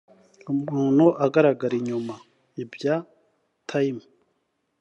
umuntu agaragara inyuma ibyak tim